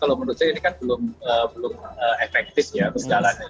kalau menurut saya ini kan belum efektif ya berjalannya